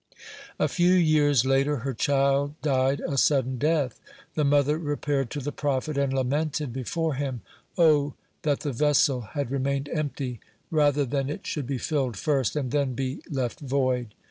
A few years later her child died a sudden death. The mother repaired to the prophet, and lamented before him: "O that the vessel had remained empty, rather than it should be filled first, and then be left void."